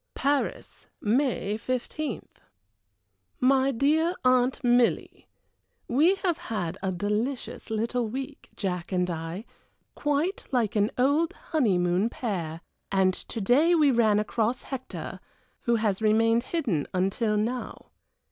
"PARIS, May 15th. "MY DEAR AUNT MILLY, We have had a delicious little week, Jack and I, quite like an old honeymoon pair and to day we ran across Hector, who has remained hidden until now.